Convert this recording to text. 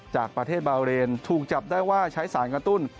จากประเทศบาเรนถูกจับได้ว่าใช้สารกระตุ้น